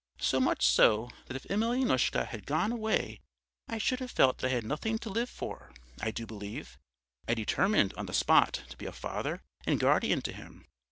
So much so that if Emelyanoushka had gone away I should have felt that I had nothing to live for, I do believe.... I determined on the spot to be a father and guardian to him.